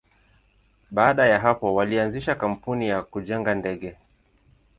Baada ya hapo, walianzisha kampuni ya kujenga ndege.